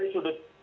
dari sudut ini